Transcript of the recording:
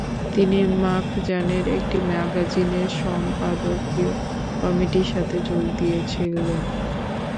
তিনি মাখজানের একটি ম্যাগাজিনের সম্পাদকীয় কমিটির সাথেও যোগ দিয়েছিলেন।